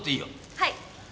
はい。